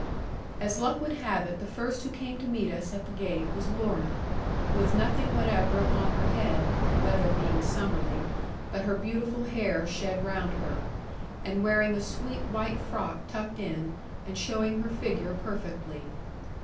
As luck would have it, the first who came to meet us at the gate was Lorna, with nothing whatever upon her head (the weather being summerly) but her beautiful hair shed round her; and wearing a sweet white frock tucked in, and showing her figure perfectly.